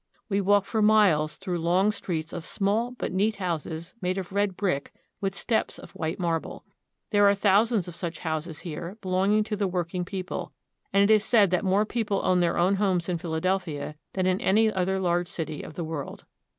We walk for miles through long streets of small but neat houses made of red brick with steps of white marble. There are thou sands of such houses here belonging to the working peo ple, and it is said that more people own their own homes in Philadelphia than in any other large city of the world.